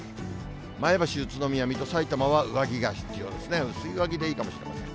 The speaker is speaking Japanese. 前橋、宇都宮、水戸、さいたまは、上着が必要ですね、薄い上着でいいかもしれません。